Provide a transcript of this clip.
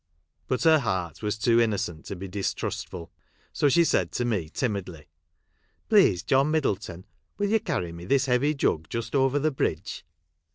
But her heart was too innocent to be distrustful ; so she said to me timidly, " Please, John Middleton, will you carry me this heavy jug just over the bridge